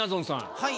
はい。